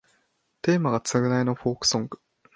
テーマが償いのフォークソング